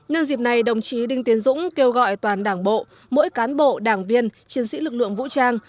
nhân dịp này đồng chí đinh tiến dũng kêu gọi toàn đảng bộ mỗi cán bộ đảng viên chiến sĩ lực lượng vũ trang